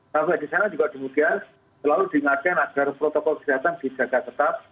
tapi di sana juga demikian selalu diingatkan agar protokol kesehatan dijaga tetap